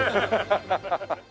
ハハハハ。